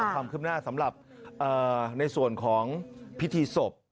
ความคืบหน้าสำหรับในการพิทธิศพ